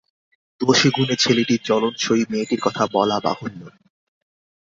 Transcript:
দোষে গুণে ছেলেটি চলনসই, মেয়েটির কথা বলা বাহুল্য।